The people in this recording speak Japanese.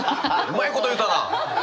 うまいこと言うたな！